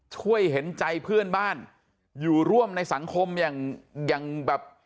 เห็นใจเพื่อนบ้านอยู่ร่วมในสังคมอย่างอย่างแบบ